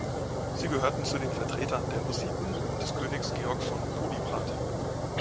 Sie gehörten zu den Vertretern der Hussiten und des Königs Georg von Podiebrad.